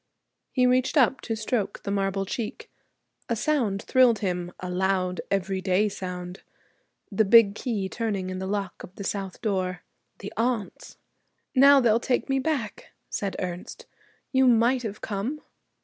He reached up to stroke the marble cheek. A sound thrilled him, a loud everyday sound. The big key turning in the lock of the south door. The aunts! 'Now they'll take me back,' said Ernest; 'you might have come.'